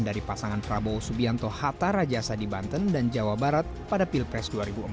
dari pasangan prabowo subianto hatta rajasa di banten dan jawa barat pada pilpres dua ribu empat belas